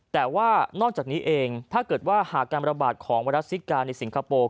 แต่ว่านอกจากนี้เองถ้าเกิดว่าหากการระบาดของไวรัสซิกาในสิงคโปร์